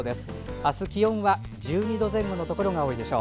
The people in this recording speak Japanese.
あす、気温は１２度前後のところが多いでしょう。